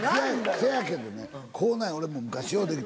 せやけどね。